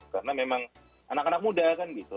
karena memang anak anak muda kan gitu